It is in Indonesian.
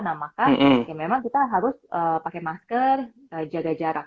nah maka ya memang kita harus pakai masker jaga jarak